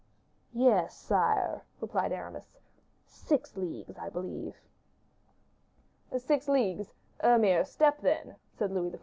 "Yes, sire," replied Aramis; "six leagues, I believe." "Six leagues; a mere step, then," said Louis XIV.